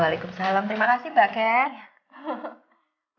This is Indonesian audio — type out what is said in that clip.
waalaikumsalam terima kasih mbak ken